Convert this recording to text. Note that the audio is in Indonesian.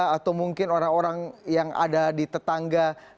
atau mungkin orang orang yang ada di tetangga